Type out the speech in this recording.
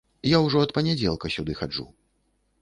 Я ўжо ад панядзелка сюды хаджу.